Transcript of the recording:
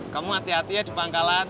kamu hati hati ya di pangkalan